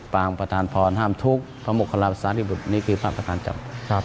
ปางประทานพรห้ามทุกข์พระมุขลาปสรรคนี่คือพระประทานจำ